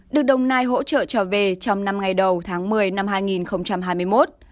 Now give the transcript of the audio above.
được đồng nai hỗ trợ trở về trong năm ngày đầu tháng một mươi năm hai nghìn hai mươi một